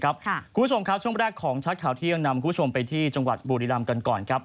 คุณผู้ชมช่วงแรกของชัดข่าวเที่ยงนำคุณผู้ชมไปที่บูริรัมป์กันก่อน